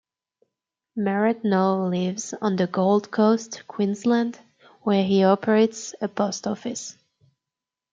Merrett now lives on the Gold Coast, Queensland, where he operates a post office.